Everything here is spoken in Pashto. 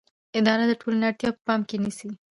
اداره د ټولنې اړتیاوې په پام کې نیسي.